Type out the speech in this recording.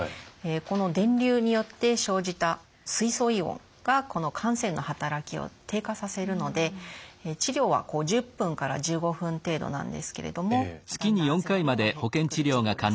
この電流によって生じた水素イオンがこの汗腺の働きを低下させるので治療は１０分から１５分程度なんですけれどもだんだん汗の量が減ってくる治療です。